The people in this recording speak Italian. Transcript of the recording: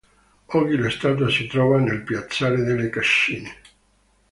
Oggi la statua si trova nel piazzale delle Cascine.